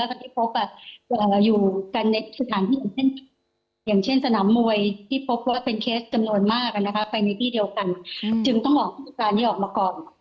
ก็ต้องเห่อความทรงจำการที่ออกมาก่อน